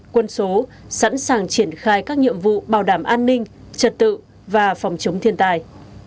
quân số sẵn sàng triển khai các nhiệm vụ bảo đảm an ninh trật tự và phòng chống thiên tai